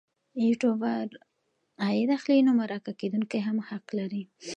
یوټوبر عاید اخلي نو مرکه کېدونکی هم حق لري.